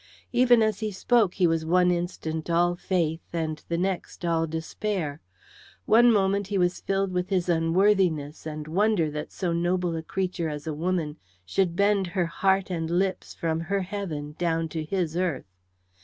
Even as he spoke he was one instant all faith and the next all despair. One moment he was filled with his unworthiness and wonder that so noble a creature as a woman should bend her heart and lips from her heaven down to his earth.